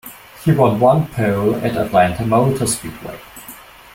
He won one pole at Atlanta Motor Speedway.